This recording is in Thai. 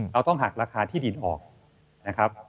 เราต้องหักราคาที่ดินออกนะครับ